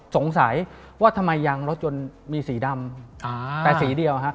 สงสัยว่าทำไมยางรถยนต์มีสีดำแต่สีเดียวฮะ